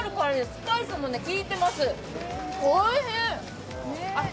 スパイスもきいてます、おいしい。